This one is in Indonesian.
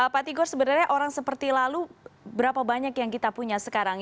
pak tigor sebenarnya orang seperti lalu berapa banyak yang kita punya sekarang